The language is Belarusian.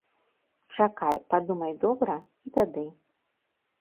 Чакай, падумай добра, і тады.